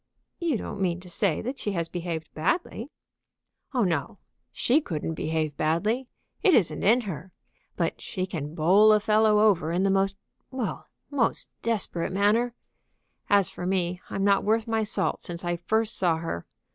"You don't mean to say that she has behaved badly?" "Oh no! She couldn't behave badly; it isn't in her. But she can bowl a fellow over in the most well, most desperate manner. As for me, I'm not worth my salt since I first saw her.